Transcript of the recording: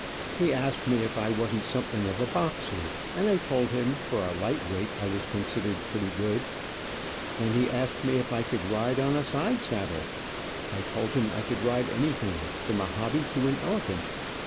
He asked me if I wasn't something of a boxer, and I told him for a light weight I was considered pretty good. Then he asked me if I could ride on a side saddle. I told him I could ride anything, from a hobby to an elephant.